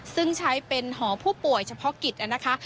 ซึ่งใช้เป็นหอผู้ป่วยเฉพาะกิจนะคะ